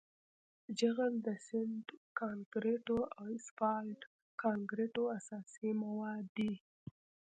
جغل د سمنټ کانکریټو او اسفالټ کانکریټو اساسي مواد دي